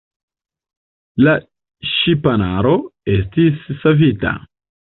La ŝipanaro estis savita.